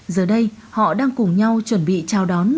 giờ đây họ đang cùng nhau chuẩn bị chào đón